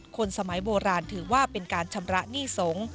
คนสมัยโบราณถือว่าเป็นการชำระหนี้สงฆ์